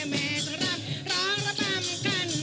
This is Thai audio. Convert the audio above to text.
แม่ต้องรับร้องระบำกันเอ่ย